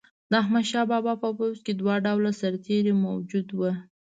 د احمدشاه بابا په پوځ کې دوه ډوله سرتیري موجود وو.